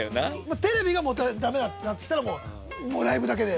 テレビがダメだってなってきたらもうライブだけで。